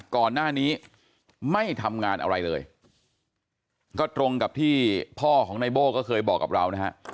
ก่อนหน้านี้ไม่ทำงานอะไรเลยก็ตรงกับที่พ่อของในโบ้ก็เคยบอกกับเรานะฮะ